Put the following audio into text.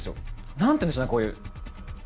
何ていうんでしょうこういう。